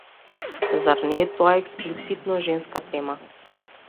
Зар не е тоа експлицитно женска тема?